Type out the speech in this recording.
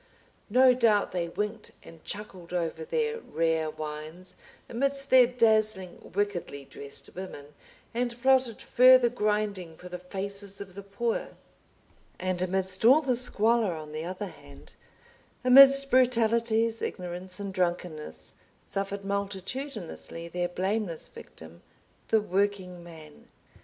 No doubt they winked and chuckled over their rare wines, amidst their dazzling, wickedly dressed women, and plotted further grinding for the faces of the poor. And amidst all the squalor on the other hand, amidst brutalities, ignorance, and drunkenness, suffered multitudinously their blameless victim, the Working Man.